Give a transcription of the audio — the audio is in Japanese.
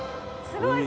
すごい！